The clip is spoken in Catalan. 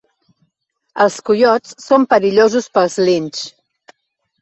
Els coiots són perillosos pels linxs.